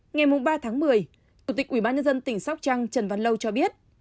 ngày ba một mươi cục tịch ubnd tỉnh sóc trăng trần văn lâu cho biết